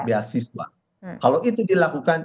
beasiswa kalau itu dilakukan